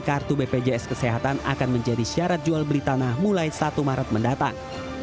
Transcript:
kartu bpjs kesehatan akan menjadi syarat jual beli tanah mulai satu maret mendatang